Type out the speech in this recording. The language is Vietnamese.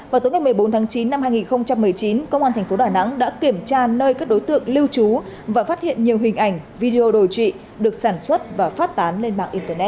vào tối ngày một mươi bốn tháng chín năm hai nghìn một mươi chín công an thành phố đà nẵng đã kiểm tra nơi các đối tượng lưu trú và phát hiện nhiều hình ảnh videoy được sản xuất và phát tán lên mạng internet